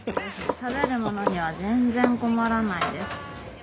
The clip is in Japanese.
食べるものには全然困らないです。